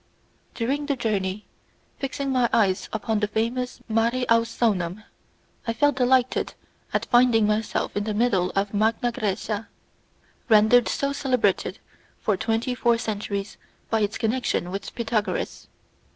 During the journey, fixing my eyes upon the famous mare Ausonaum, I felt delighted at finding myself in the middle of Magna Grecia, rendered so celebrated for twenty four centuries by its connection with Pythagoras.